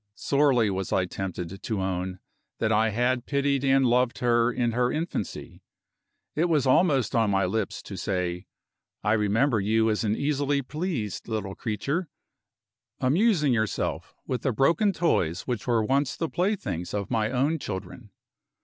Sorely was I tempted to own that I had pitied and loved her in her infancy. It was almost on my lips to say: "I remember you an easily pleased little creature, amusing yourself with the broken toys which were once the playthings of my own children."